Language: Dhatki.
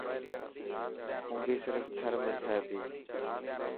کومبي صرف ٿر ۾ ٿي تي.